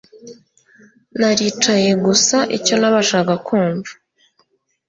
Naricaye gusa icyo nabashaga kumva